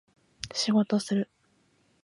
仕事する